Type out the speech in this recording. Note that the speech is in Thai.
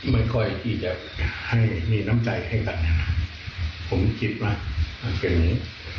ไม่ค่อยจะมีน้ำใจให้กันผมคิดว่าหากเกิดนี่